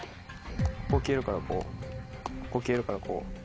ここ消えるからこうここ消えるからこう。